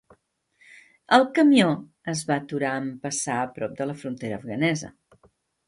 El camió es va aturar en passar a prop de la frontera afganesa.